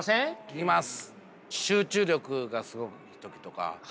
聞きます。